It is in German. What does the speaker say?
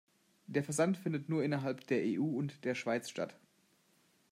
Der Versand findet nur innerhalb der EU und der Schweiz statt.